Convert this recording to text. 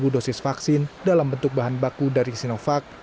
enam puluh lima lima ratus dosis vaksin dalam bentuk bahan baku dari sinovac